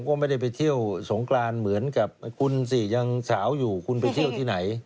ก็ไม่ได้ไปเที่ยวสงกรานเหมือนกับคุณสิยังสาวอยู่คุณไปเที่ยวที่ไหน